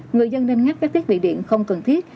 người dân nên ngắt các thiết bị điện không cần thiết